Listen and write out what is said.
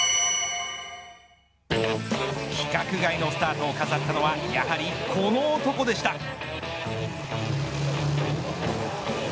規格外のスタートを飾ったのはやはり、この男でした。